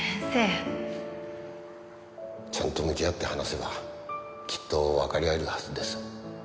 ちゃんと向き合って話せばきっとわかり合えるはずです。